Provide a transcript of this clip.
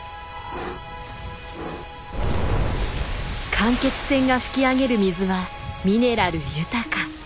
間欠泉が噴き上げる水はミネラル豊か。